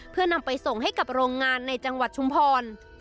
เพื่อนำไปส่งให้กับโรงงานในจังหวัดชุมพร